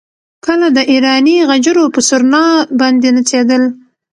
کله د ایراني غجرو پر سورنا باندې نڅېدل.